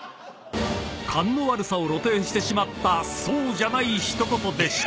［勘の悪さを露呈してしまったそうじゃない一言でした］